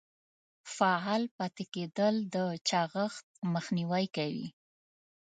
فعال پاتې کیدل د چاغښت مخنیوی کوي.